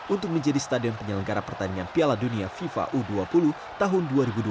untuk menjadi stadion penyelenggara pertandingan piala dunia fifa u dua puluh tahun dua ribu dua puluh